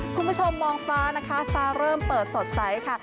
คุณผู้ชมมองฟ้านะคะฟ้าเริ่มเปิดสดใสค่ะ